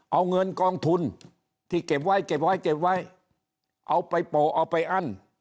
เอาเงินกองทุนที่เก็บไว้เก็บไว้เก็บไว้เอาไปโปะเอาไปอั้น